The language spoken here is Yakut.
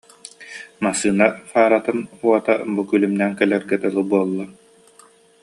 Массыына фаратын уота бу күлүмнээн кэлэргэ дылы буолла